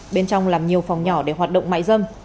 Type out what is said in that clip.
bên trong làm nhiều phòng nhỏ để hoạt động mại dâm